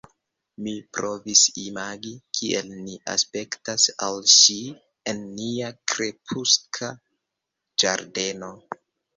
Mi provis imagi, kiel ni aspektas al ŝi, en nia krepuska ĝardeno.